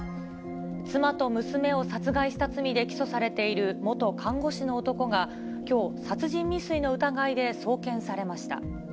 妻と娘を殺害した罪で起訴されている元看護師の男が、きょう、殺人未遂の疑いで送検されました。